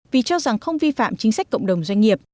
vì cho rằng không vi phạm chính sách cộng đồng doanh nghiệp